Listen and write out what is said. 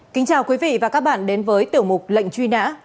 kính chào quý vị và các bạn đến với tiểu mục lệnh truy nã